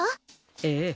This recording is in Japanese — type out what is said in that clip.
ええ。